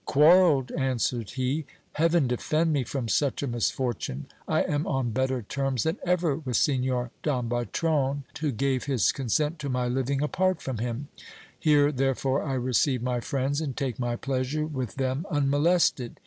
Quarrelled ! answered he : Heaven defend me from such a misfortune ! I am on better terms than ever with Signor Don Bertrand, who gave his consent to my living apart from him : here therefore I receive my friends, and take my pleasure with them unmolested.